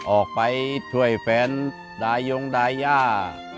ออกไปช่วยแฟนได้ยงได้ยาก